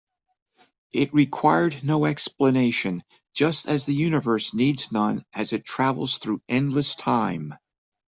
It required no explanation, just as the universe needs none as it travels through endless time.